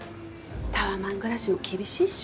タワマン暮らしも厳しいっしょ。